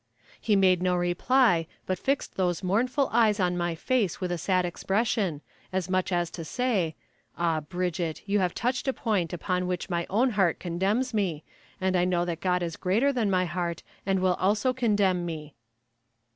He made no reply, but fixed those mournful eyes on my face with a sad expression, as much as to say "Ah, Bridget, you have touched a point upon which my own heart condemns me, and I know that God is greater than my heart, and will also condemn me."